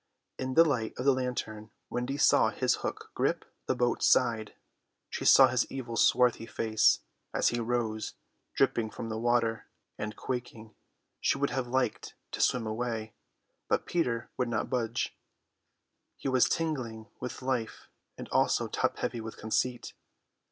In the light of the lantern Wendy saw his hook grip the boat's side; she saw his evil swarthy face as he rose dripping from the water, and, quaking, she would have liked to swim away, but Peter would not budge. He was tingling with life and also top heavy with conceit.